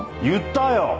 言ったよ！